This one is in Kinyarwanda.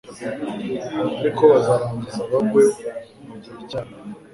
Ariko bazarangiza bagwe mugihe cyabo